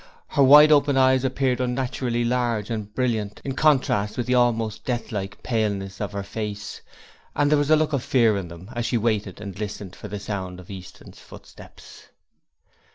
Her wide open eyes appeared unnaturally large and brilliant, in contrast with the almost death like paleness of her face, and there was a look of fear in them, as she waited and listened for the sound of Easton's footsteps.